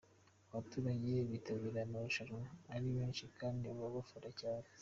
Abaturage bitabira aya marushanwa ari benshi, kandi baba bafana cyane.